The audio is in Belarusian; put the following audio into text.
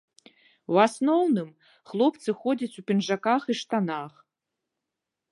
У асноўным, хлопцы ходзяць у пінжаках і штанах.